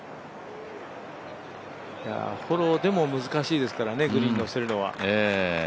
フォローでも難しいですからね、グリーンにのせるのは。